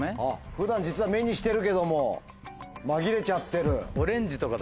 普段実は目にしてるけども紛れちゃってる。